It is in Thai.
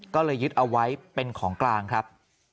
ก็เลยยึดเอาไว้เป็นของกลางครับ